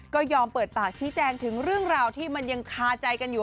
ก็ยอมเปิดปากชี้แจงถึงเรื่องราวที่มันยังคาใจกันอยู่